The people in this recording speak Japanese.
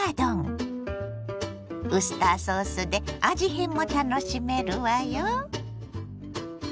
ウスターソースで味変も楽しめるわよ。